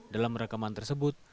dalam rekaman tersebut